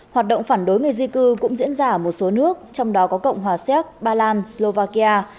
hoạt động phản đối người di cư cũng diễn ra ở một số nước trong đó có cộng hòa xéc ba lan slovakia